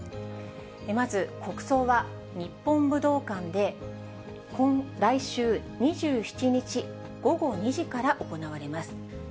まず、国葬は、日本武道館で来週２７日午後２時から行われます。